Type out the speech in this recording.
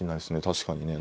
確かにね。